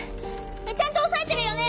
ちゃんと押さえてるよね？